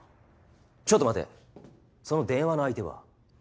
ちょっと待てその電話の相手は？